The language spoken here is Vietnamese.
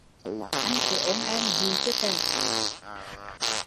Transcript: Anh cứ ôm em, dị chưa tề